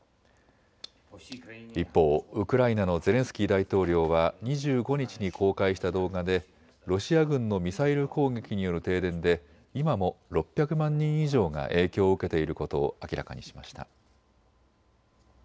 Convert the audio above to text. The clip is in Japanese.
一方、ウクライナのゼレンスキー大統領は２５日に公開した動画でロシア軍のミサイル攻撃による停電で今も６００万人以上が影響を受けていることを明らかにしました。